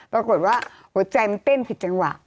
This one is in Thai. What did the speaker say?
ปรากฏว่าหัวใจมันเต้นผิดจังหวะ